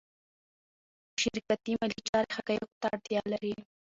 شرکتي مالي چارې حقایقو ته اړتیا لري.